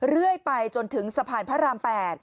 เรื่อยไปจนถึงสะพานพระราม๘